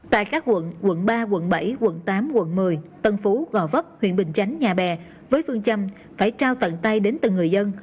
tại các quận quận ba quận bảy quận tám quận một mươi tân phú gò vấp huyện bình chánh nhà bè với phương châm phải trao tận tay đến từng người dân